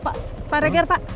pak regar pak